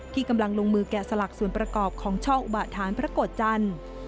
กำลังลงมือแกะสลักส่วนประกอบของช่องอุบฐานพระโกรธจันทร์